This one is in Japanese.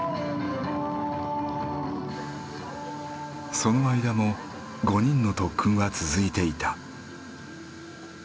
その間も５人の特訓は続いていた。